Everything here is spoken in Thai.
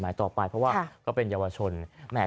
มันสนุกใช่ไหม